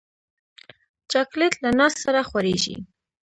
چاکلېټ له ناز سره خورېږي.